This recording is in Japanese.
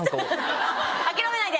諦めないで！